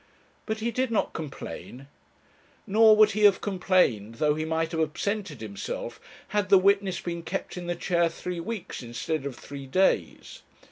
But he did not complain. Nor would he have complained, though he might have absented himself, had the witness been kept in the chair three weeks instead of three days.